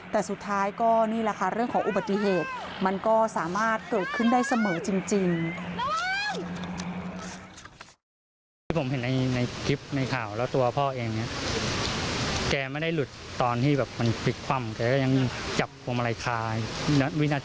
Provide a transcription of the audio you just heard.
แต่สุดท้ายก็นี่แหละค่ะเรื่องของอุบัติเหตุมันก็สามารถเกิดขึ้นได้เสมอจริง